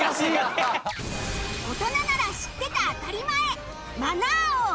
大人なら知ってて当たり前！